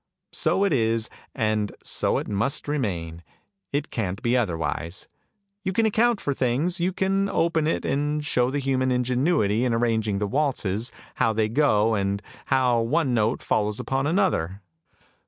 So it is, and so it must remain, it can't be otherwise. You can account for things, you can open it and show the human ingenuity in arranging the waltzes, how they go, and how one note follows upon another!